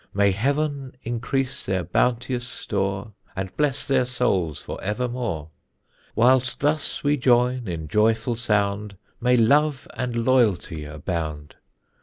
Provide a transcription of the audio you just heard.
May heaven increase their bounteous store And bless their souls for evermore. Whilst thus we join in joyful sound May love and loyalty abound.